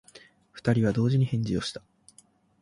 二人は同時に返事をした。